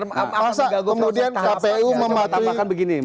masa kemudian kpu mematuhi